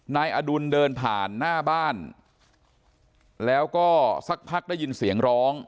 นายอดุลเดินผ่านหน้าบ้านแล้วก็สักพักได้ยินเสียงร้อง